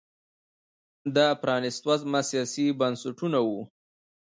دا پرانیست وزمه سیاسي بنسټونه وو